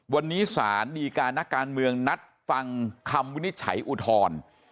วันนี้สารดีการนักการเมืองนัดฟังคำวินิจฉัยอุทธรณ์